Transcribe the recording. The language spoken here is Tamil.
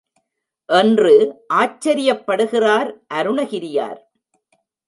என்று ஆச்சரியப்படுகிறார் அருணகிரியார்.